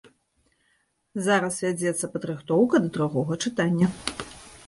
Зараз вядзецца падрыхтоўка да другога чытання.